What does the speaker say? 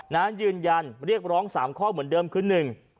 ดังนั้นยืนยันเรียกร้อง๓ข้อเหมือนเดิมครั้งหนึ่ง